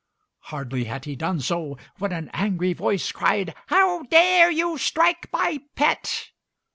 Hardly had he done so, when an angry voice cried, "How dare you strike my pet?"